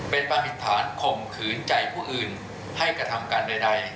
เป็นความผิดฐานข่มขืนใจผู้อื่นให้กระทำการใด